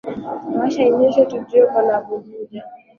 Wacha inyeshe tujue panapovuja.